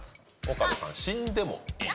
岡部さん「死んでもいい」。